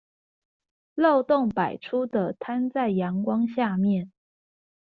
漏洞百出的攤在陽光下面